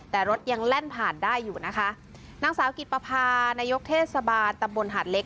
แต่รถยังแล่นผ่านได้อยู่นะคะนางสาวกิจประพานายกเทศบาลตำบลหาดเล็ก